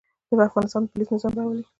د افغانستان پولیس نظم راولي